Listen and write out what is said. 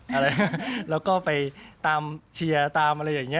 อะไรแล้วก็ไปตามเชียร์ตามอะไรอย่างนี้